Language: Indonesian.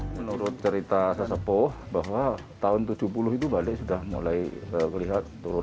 menurut cerita sasepoh bahwa tahun seribu sembilan ratus tujuh puluh itu batik sudah mulai terlihat turun